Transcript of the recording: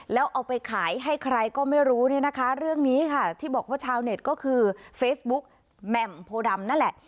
แล้วเอาไปขายให้ใครก็ไม่รู้เนี่ยนะคะเรื่องนี้ค่ะที่บอกว่าชาวเน็ตก็คือเฟซบุ๊กแหม่มโพดำนั่นแหละ